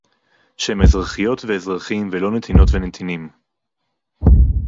שהם אזרחיות ואזרחים ולא נתינות ונתינים